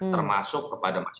termasuk kepada masyarakat